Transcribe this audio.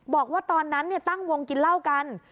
บอกว่าตอนนั้นตั้งวงกินเหล้ากัน